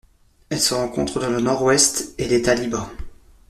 Elle se rencontre dans le Nord-Ouest et l'État-Libre.